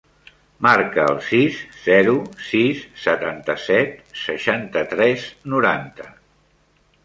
Marca el sis, zero, sis, setanta-set, seixanta-tres, noranta.